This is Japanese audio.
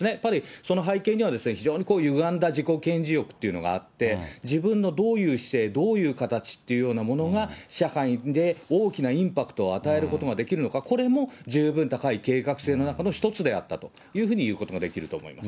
その背景には、非常にゆがんだ自己顕示欲っていうのがあって、自分のどういう姿勢、どういう形っていうようなものが、社会で大きなインパクトを与えることができるのか、これも十分高い計画性の中のひとつであったというふうにいうことができると思います。